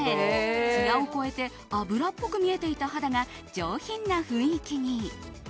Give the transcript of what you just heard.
ツヤを超えて脂っぽく見えていた肌が上品な雰囲気に。